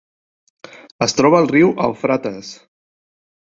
Es troba al riu Eufrates.